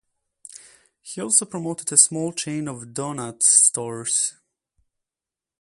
He also promoted a small chain of doughnut stores.